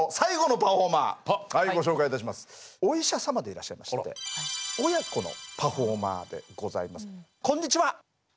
お医者様でいらっしゃいまして親子のパフォーマーでございます。